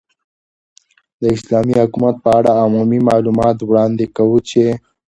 ، داسلامې حكومت په اړه عمومي معلومات وړاندي كوو چې